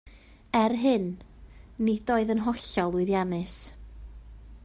Er hyn, nid oedd yn hollol lwyddiannus